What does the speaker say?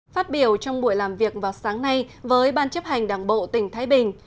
phát biểu trong buổi làm việc vào sáng nay với ban chấp hành đảng bộ tỉnh thái bình